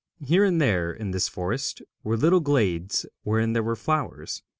Here and there in this forest were little glades wherein there were flowers.